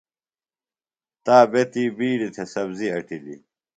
تا بہ تی بِیڈیۡ تھےۡ سبزیۡ اٹِلیۡ۔